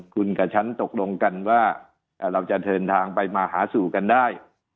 คุณกับฉันตกลงกันว่าเราจะเดินทางไปมาหาสู่กันได้